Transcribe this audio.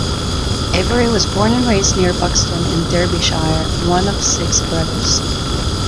Avery was born and raised near Buxton in Derbyshire, one of six brothers.